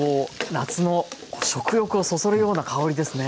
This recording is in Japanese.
夏の食欲をそそるような香りですね。